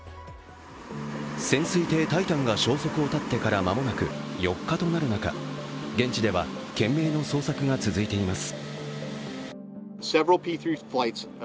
潜水艇「タイタン」が消息を絶ってから間もなく４日となる中、現地では懸命の捜索が続いています。